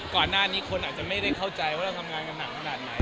ก่อนหน้านี้คนอาจจะไม่ได้เข้าใจว่าเราทำงานกันหนักขนาดไหน